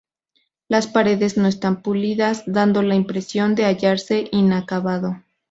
Las paredes no están pulidas, dando la impresión de hallarse inacabado.